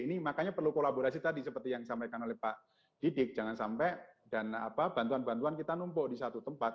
ini makanya perlu kolaborasi tadi seperti yang disampaikan oleh pak didik jangan sampai dan bantuan bantuan kita numpuk di satu tempat